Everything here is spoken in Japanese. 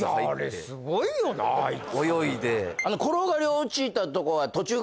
あれ、すごいよな、あいつ。